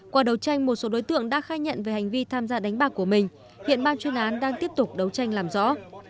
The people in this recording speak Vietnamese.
qua đấu tranh một số đối tượng đã khai nhận về hành vi tham gia đánh bạc của mình hiện ban chuyên án đang tiếp tục đấu tranh làm rõ